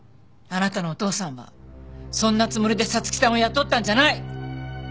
あなたのお父さんはそんなつもりで彩月さんを雇ったんじゃない！